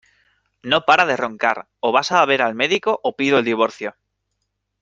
No para de roncar: o vas a ver al médico o pido el divorcio.